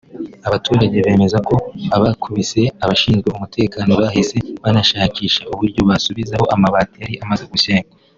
Abaturage bemeza ko abakubise abashinzwe umutekano bahise banashakisha uburyo basubizaho amabati yari amaze gusenywa